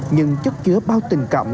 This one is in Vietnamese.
nhưng chất chứa bao tình cảm